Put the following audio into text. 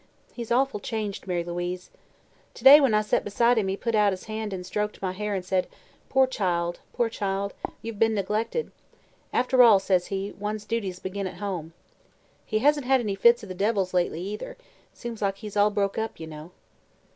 He's awful changed, Mary Louise. To day, when I set beside him, he put out his hand an' stroked my hair an' said: 'poor child poor child, you've been neglected. After all,' says he, 'one's duties begin at home.' He hasn't had any fits of the devils lately, either. Seems like he's all broke up, you know."